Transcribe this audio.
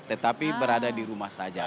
tetapi berada di rumah saja